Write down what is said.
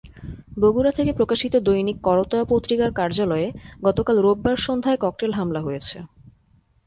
বগুড়া থেকে প্রকাশিত দৈনিক করতোয়া পত্রিকার কার্যালয়ে গতকাল রোববার সন্ধ্যায় ককটেল হামলা হয়েছে।